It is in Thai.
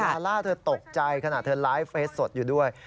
ลาล่าเธอตกใจขณะเธอไลฟ์เฟสสดอยู่ด้วย